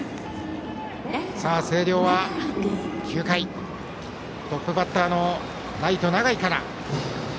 星稜は９回、トップバッターのライト永井から。